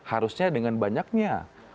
harusnya dengan banyaknya